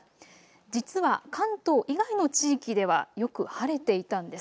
実は関東以外の地域ではよく晴れていたんです。